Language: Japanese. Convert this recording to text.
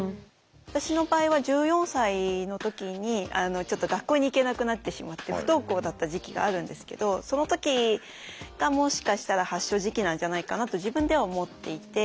私の場合は１４歳の時にちょっと学校に行けなくなってしまって不登校だった時期があるんですけどその時がもしかしたら発症時期なんじゃないかなと自分では思っていて。